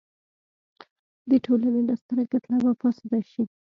د ټولنې دا ستره کتله به فاسده شي.